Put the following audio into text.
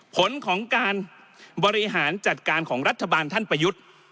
ผลของการบริหารจัดการของรัฐบาลท่านประยุทธ์